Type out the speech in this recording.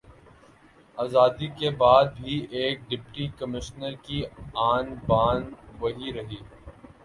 آزادی کے بعد بھی ایک ڈپٹی کمشنر کی آن بان وہی رہی